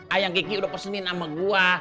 ayang kiki udah pesenin sama gua